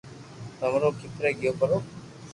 ڀمرو کپرو گيو پرو